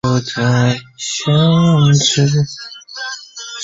维勒古安人口变化图示